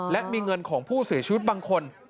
และมีเงินของผู้เสียชีวิตบางคน